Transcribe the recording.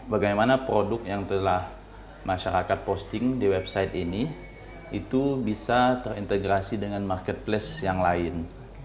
bagaimana produk yang telah masyarakat posting di website ini itu bisa terintegrasi dengan marketplace yang lain